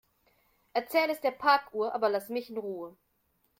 Erzähl es der Parkuhr, aber lass mich in Ruhe.